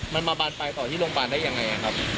มันมาบานปลายต่อที่โรงพยาบาลได้ยังไงครับ